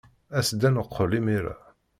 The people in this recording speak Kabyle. As-d ad neqqel imir-a.